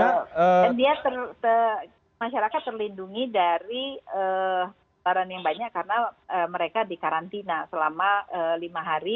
dan dia masyarakat terlindungi dari varian yang banyak karena mereka di karantina selama lima hari